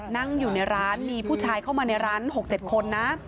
นั่งอยู่ในร้านมีผู้ชายเข้ามาในร้าน๖๗คนนะ